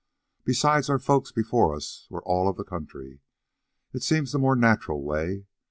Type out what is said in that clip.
Besides, our folks before us were all of the country. It seems the more natural way.